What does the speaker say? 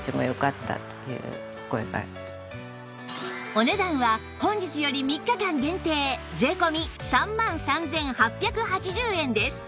お値段は本日より３日間限定税込３万３８８０円です